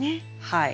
はい。